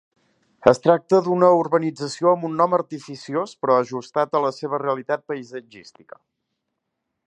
Es tracta d'una urbanització amb un nom artificiós però ajustat a la seva realitat paisatgística.